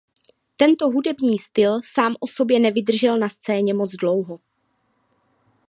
Tento hudební styl sám o sobě nevydržel na scéně moc dlouho.